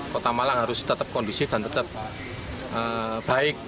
kota malang harus tetap kondusif dan tetap baik